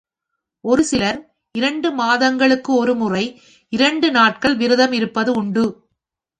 ஒரு சிலர் இரண்டு மாதங்களுக்கு ஒரு முறை இரண்டு நாட்கள் விரதம் இருப்பது உண்டு.